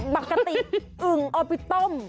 บัคกะติอึงเอาไปต้ม